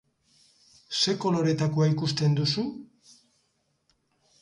Ze koloretakoa ikusten duzu?